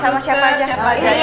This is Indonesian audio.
sama siapa aja